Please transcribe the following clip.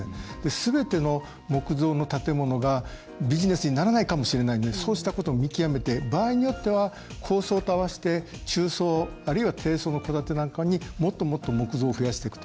すべての木造の建物がビジネスにならないかもしれないのでそうしたことも見極めて場合によっては高層と併せて中層あるいは低層の戸建なんかにもっともっと木造を増やしていくと。